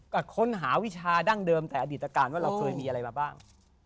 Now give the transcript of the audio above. ก็ค้นหาวิชาดั้งเดิมแต่อดีตการณ์ว่าเราเคยมีอะไรมาบ้าง